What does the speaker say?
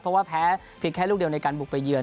เพราะว่าแพ้เพียงแค่ลูกเดียวในการบุกไปเยือน